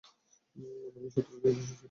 মনোবল শত্রু-বিধ্বংসী শক্তিতে রূপ নেয়।